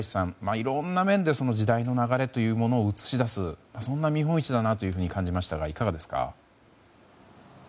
いろんな面で時代の流れというのを映し出す、そんな見本市だなと感じましたがいかがですか。